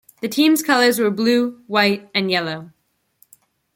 The team's colors were blue, white and yellow.